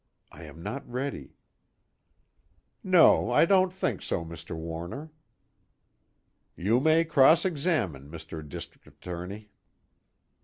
I am not ready_ "No, I don't think so, Mr. Warner." "You may cross examine, Mr. District Attorney."